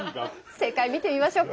正解見てみましょうか。